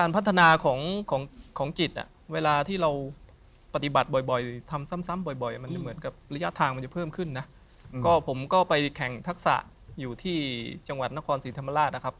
ไปดูที่กะบี่กับพังงาครับ